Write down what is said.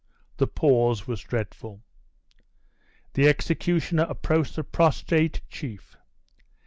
The pause was dreadful. The executioner approached the prostrate chief.